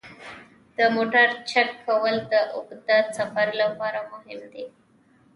د موټر چک کول د اوږده سفر لپاره مهم دي.